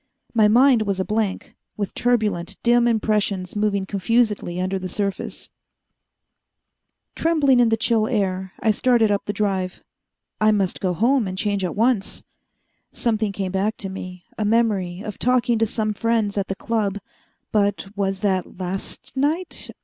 My mind was a blank, with turbulent, dim impressions moving confusedly under the surface. Trembling in the chill air, I started up the Drive. I must go home and change at once. Something came back to me a memory of talking to some friends at the Club. But was that last night?